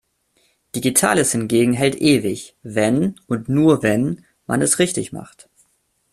Digitales hingegen hält ewig, wenn – und nur wenn – man es richtig macht.